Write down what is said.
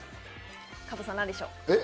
加藤さん、何でしょう？